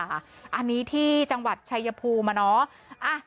อันนี้ที่จังหวัดชายภูมิมาเนอะ